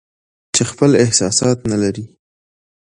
چې خپل احساسات نه لري